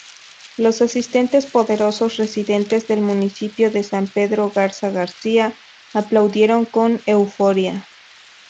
Los asistentes, poderosos residentes del municipio de San Pedro Garza García, aplaudieron con euforia.